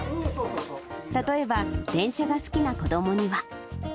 例えば電車が好きな子どもには。